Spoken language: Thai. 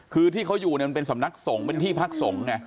คือที่เขาอยู่เป็นสำนักสงฆ์เป็นที่พักสงฆ์